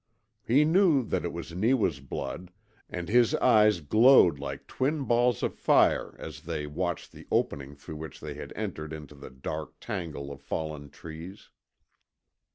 He knew that it was Neewa's blood, and his eyes glowed like twin balls of fire as they watched the opening through which they had entered into the dark tangle of fallen trees.